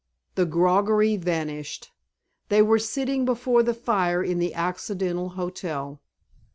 The groggery vanished ... they were sitting before the fire in the Occidental Hotel....